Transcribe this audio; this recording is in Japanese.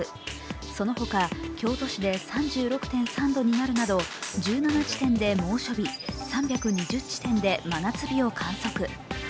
その他、京都市で３６．３度になるなど１７地点で猛暑日、３２０地点で真夏日を観測。